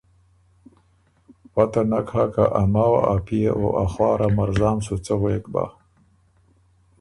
پته نک هۀ که ا ماوه ا پئے او ا خوار ا مرزام سُو څۀ غوېک بۀ۔